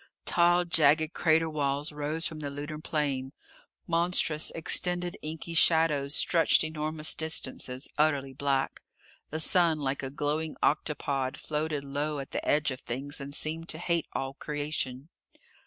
Tall, jagged crater walls rose from the lunar plain. Monstrous, extended inky shadows stretched enormous distances, utterly black. The sun, like a glowing octopod, floated low at the edge of things and seemed to hate all creation.